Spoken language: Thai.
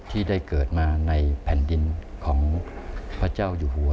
ที่ได้เกิดมาในแผ่นดินของพระเจ้าอยู่หัว